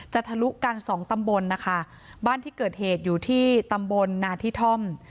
ทะลุกันสองตำบลนะคะบ้านที่เกิดเหตุอยู่ที่ตำบลนาทิท่อม